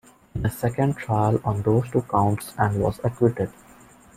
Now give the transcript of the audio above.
In a second trial on those two counts and was acquitted.